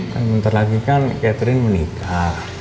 kan bentar lagi kan catherine menikah